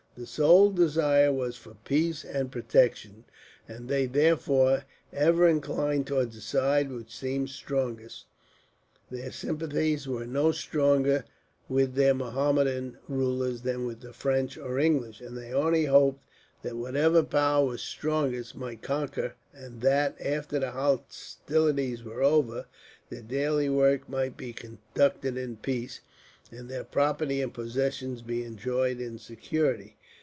The sole desire was for peace and protection; and they, therefore, ever inclined towards the side which seemed strongest. Their sympathies were no stronger with their Mohammedan rulers than with the French or English, and they only hoped that whatever power was strongest might conquer; and that, after the hostilities were over, their daily work might be conducted in peace, and their property and possessions be enjoyed in security.